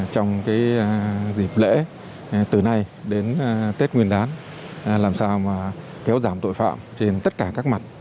trong dịp lễ từ nay đến tết nguyên đán làm sao kéo giảm tội phạm trên tất cả các mặt